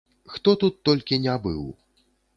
Хто тут толькі не быў!